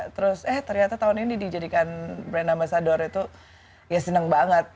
terus eh ternyata tahun ini dijadikan brand ambasador itu ya seneng banget